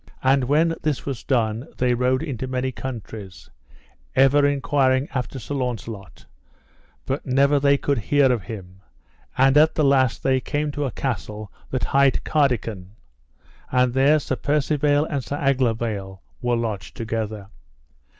And when this was done they rode into many countries, ever inquiring after Sir Launcelot, but never they could hear of him; and at the last they came to a castle that hight Cardican, and there Sir Percivale and Sir Aglovale were lodged together.